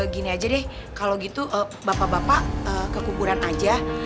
gini aja deh kalau gitu bapak bapak kekuburan aja